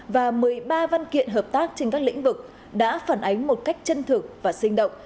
và một mươi ba văn kiện hợp tác trên các lĩnh vực đã phản ánh một cách chân thực và sinh động